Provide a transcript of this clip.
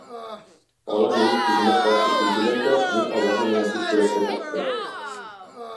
Алар минем сүземә каршы килделәр дә, мин аларны менә бу сурәткә керттем.